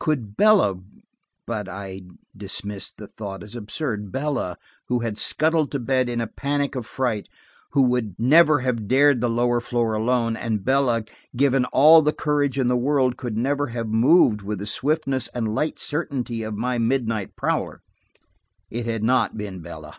Could Bella–? But I dismissed the thought as absurd–Bella, who had scuttled to bed in a panic of fright, would never have dared the lower floor alone, and Bella, given all the courage in the world, could never have moved with the swiftness and light certainty of my midnight prowler. It had not been Bella.